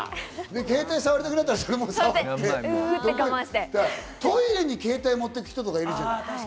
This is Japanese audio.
携帯を触りたくなったら、それを持ってトイレに携帯を持ってく人とかいるじゃん。